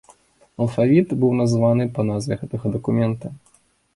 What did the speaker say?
Алфавіт быў названы па назве гэтага дакумента.